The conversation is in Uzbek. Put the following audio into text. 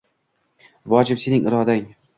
Vojib — sening irodang.